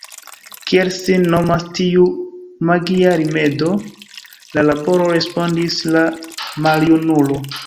Kiel sin nomas tiu magia rimedo? La laboro, respondis la maljunulo.